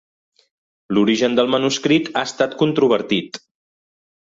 L'origen del manuscrit ha estat controvertit.